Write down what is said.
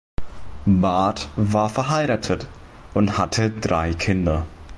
Barth war verheiratet und hatte drei Kinder.